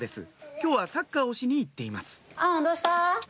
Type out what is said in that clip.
今日はサッカーをしに行っています